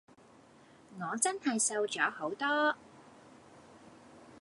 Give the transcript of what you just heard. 我真係瘦咗好多！